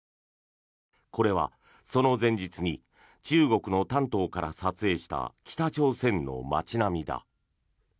これはその前日に中国の丹東から撮影した北朝鮮の街並みだ。